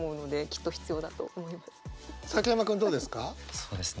そうですね。